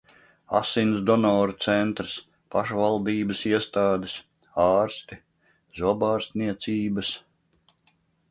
Asinsdonoru centrs. pašvaldības iestādes. ārsti. zobārstniecības...